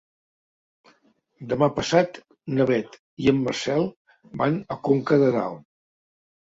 Demà passat na Beth i en Marcel van a Conca de Dalt.